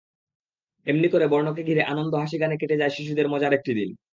এমনি করে বর্ণকে ঘিরে আনন্দ-হাসি-গানে কেটে যার শিশুদের মজার একটি দিন।